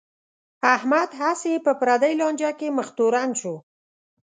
احمد هسې په پردی لانجه کې مخ تورن شو.